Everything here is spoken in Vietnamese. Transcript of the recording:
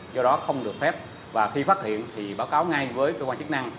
do đó không được phép và khi phát hiện thì báo cáo ngay với cơ quan chức năng